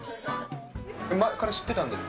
前から知ってたんですか？